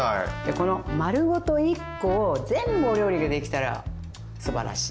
この丸ごと１個を全部お料理ができたらすばらしい。